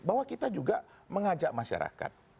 bahwa kita juga mengajak masyarakat